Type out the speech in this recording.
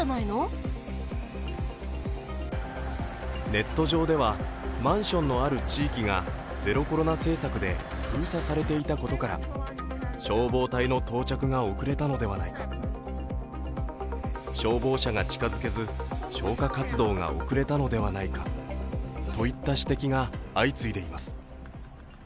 ネット上ではマンションのある地域がゼロコロナ政策で封鎖されていたことから消防隊の到着が遅れたのではないか、消防車が近付けず消火活動が遅れたのではないかといった指摘が相次いでいます。